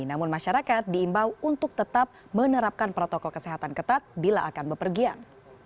namun masyarakat diimbau untuk tetap menerapkan protokol kesehatan ketat bila akan bepergian